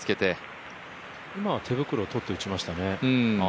今は手袋取って打ちましたね。